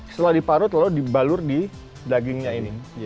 setelah diparut lalu dibalur di dagingnya ini